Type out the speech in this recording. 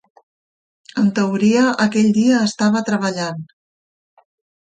En teoria, aquell dia estava treballant.